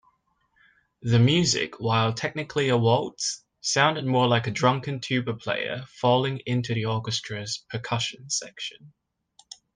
The music, while technically a waltz, sounded more like a drunken tuba player falling into the orchestra's percussion section.